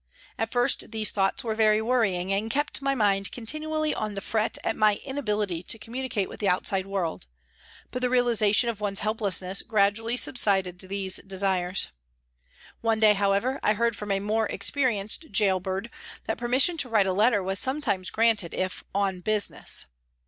At first these thoughts were very worrying and kept my mind continually on the fret at my inability to com municate with the outside world, but the realisation of one's helplessness gradually subdued these desires. One day, however, I heard from a more experienced " gaol bird " that permission to write a letter was sometimes granted if " on business."